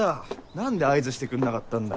何で合図してくんなかったんだよ。